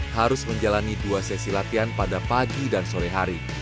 harus menjalani dua sesi latihan pada pagi dan sore hari